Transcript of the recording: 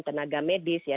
tenaga medis ya